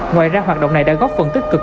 ngoài ra hoạt động này đã góp phần tích cực